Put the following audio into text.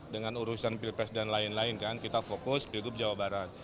dengan urusan pilpres dan lain lain kan kita fokus pilgub jawa barat